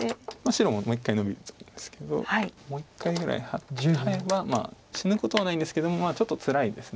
白ももう１回ノビると思うんですけどもう１回ぐらいハエば死ぬことはないんですけどもちょっとつらいです